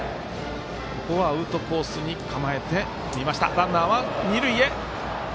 ランナーは二塁へ。